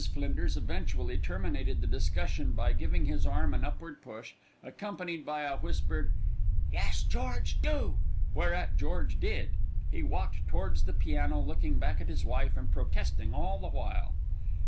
Flinders eventually terminated the discussion by giving his arm an upward push, accompanied by a whispered, "Yes, George, do," whereat George did. He walked towards the piano, looking back at his wife and protesting all the while.